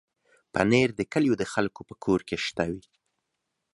پنېر د کلیو د خلکو په کور کې شته وي.